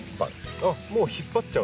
あっもう引っ張っちゃうんですね。